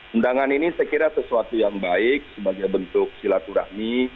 undangan ini saya kira sesuatu yang baik sebagai bentuk silaturahmi